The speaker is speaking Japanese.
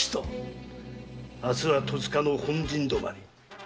明日は戸塚の本陣泊まり。